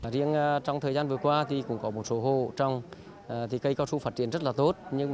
riêng trong thời gian vừa qua thì cũng có một số hộ trồng cây cao su phát triển rất là tốt